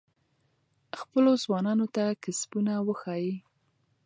خپلو ځوانانو ته کسبونه وښایئ.